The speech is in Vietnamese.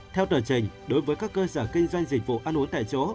theo tờ trình đối với các cơ sở kinh doanh dịch vụ ăn uống tại chỗ